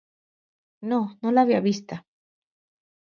No, no l'havia vista.